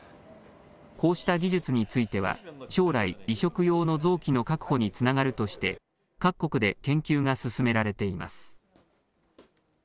こうした技術については、将来、移植用の臓器の確保につながるとして、各国で研究が進められています。